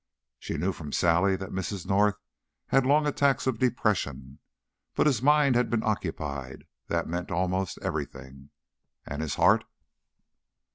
She knew from Sally that Mrs. North had long attacks of depression. But his mind had been occupied; that meant almost everything. And his heart?